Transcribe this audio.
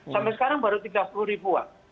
sampai sekarang baru tiga puluh ribuan